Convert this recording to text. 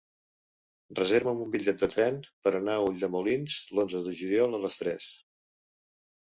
Reserva'm un bitllet de tren per anar a Ulldemolins l'onze de juliol a les tres.